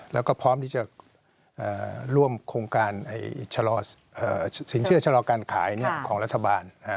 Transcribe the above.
แล้วก็พร้อมที่จะร่วมโครงการชะลอสินเชื่อชะลอการขายของรัฐบาล